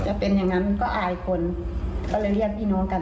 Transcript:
ถ้าเป็นอย่างนั้นมันก็อายคนก็เลยเรียกพี่น้องกัน